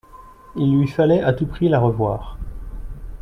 Il lui fallait à tout prix la revoir.